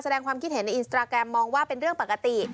แสดงความคิดเห็นในอินสตราแกรมมองว่าเป็นเรื่องปกติ